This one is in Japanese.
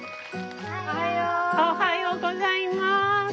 おはよう！おはようございます！